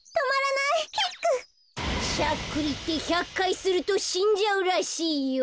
しゃっくりって１００かいするとしんじゃうらしいよ。